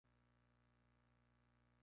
Está en una colección privada suiza.